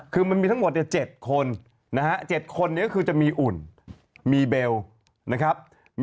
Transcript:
คือมันมีทั้งหมด๗คนนะฮะ๗คนนี้ก็คือจะมีอุ่นมีเบลนะครับ